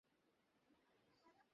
এটার মানে হলো ওরা এখানেই ছিল।